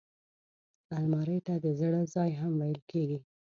الماري ته د زړه ځای هم ویل کېږي